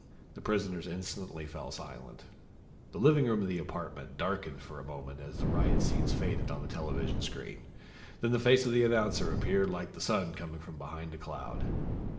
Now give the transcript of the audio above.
The prisoners instantly fell silent. The living room of the apartment darkened for a moment as the riot scenes faded on the television screen, and then the face of the announcer appeared, like the Sun coming from behind a cloud.